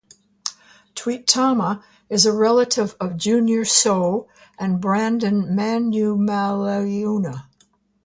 Tuitama is a relative of Junior Seau and Brandon Manumaleuna.